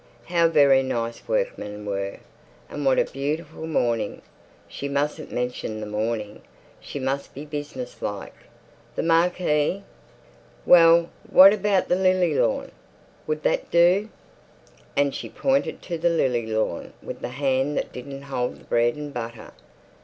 How very nice workmen were! And what a beautiful morning! She mustn't mention the morning; she must be business like. The marquee. "Well, what about the lily lawn? Would that do?" And she pointed to the lily lawn with the hand that didn't hold the bread and butter.